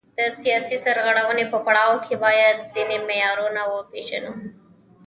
د سیاسي سرغړونې په پړاو کې باید ځینې معیارونه وپیژنو.